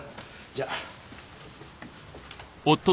じゃあ。